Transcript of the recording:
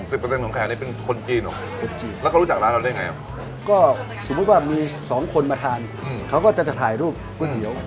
เราจะว่ามีสองคนมาทานเขาก็จะถ่ายรูปปุ้มเกี๋ียว